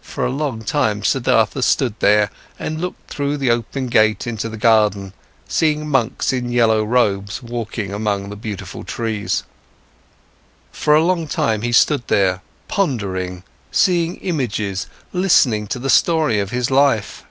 For a long time, Siddhartha stood there and looked through the open gate into the garden, seeing monks in yellow robes walking among the beautiful trees. For a long time, he stood there, pondering, seeing images, listening to the story of his life.